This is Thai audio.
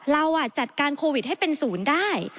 เราจัดการโควิดให้เป็นศูนย์ได้